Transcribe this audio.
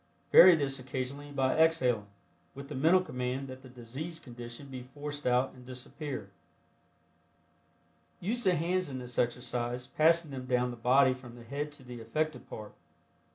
Vary this occasionally by exhaling, with the mental command that the diseased condition be forced out and disappear. Use the hands in this exercise, passing them down the body from the head to the affected part.